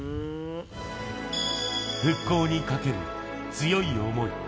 復興にかける強い想い。